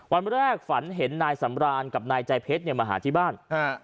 วันแรกฝันเห็นนายสำรานกับนายใจเพชรมาหาที่บ้าน